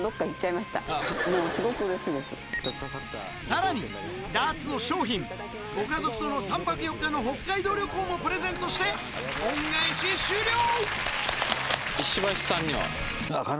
さらにダーツの賞品ご家族との３泊４日の北海道旅行もプレゼントして恩返し終了！